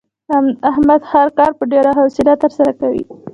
احمد هر کار په ډېره حوصله ترسره کوي.